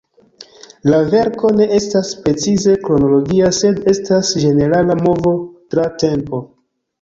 La verko ne estas precize kronologia, sed estas ĝenerala movo tra tempo.